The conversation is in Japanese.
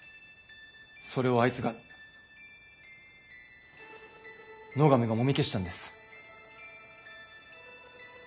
それをあいつが野上がもみ消したんです。